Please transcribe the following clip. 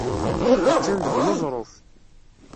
Attan deg uneẓruf.